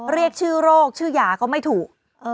เรียกชื่อโรคชื่อยาก็ไม่ถูก